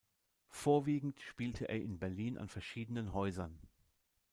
Vorwiegend spielte er in Berlin an verschiedenen Häusern.